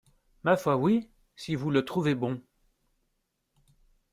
Ma foi, oui, si vous le trouvez bon.